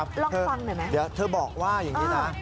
เดี๋ยวเธอบอกว่าอย่างนี้นะ